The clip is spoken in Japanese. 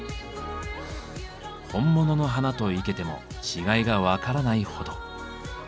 本物の花と生けても違いが分からないほど。